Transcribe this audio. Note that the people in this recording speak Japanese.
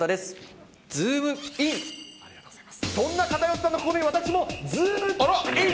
そんな片寄さんの心に、私もズームイン！！